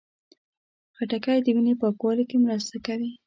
خټکی د وینې پاکوالي کې مرسته کوي.